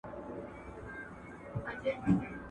چي ونه کړي یو له بل سره جنګونه.